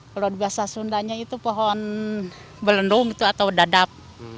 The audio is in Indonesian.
kalau di bahasa sundanya itu pohon belendung atau dadap